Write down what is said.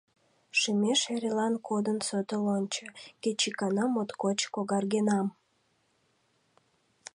Шӱмеш эрелан кодын сото лончо, Кеч икана моткоч когаргенам.